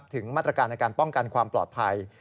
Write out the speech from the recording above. ถึงมาตรการในการป้องกันความปลอดภัย